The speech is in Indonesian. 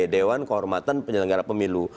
dewan kehormatan penyelenggara pemilu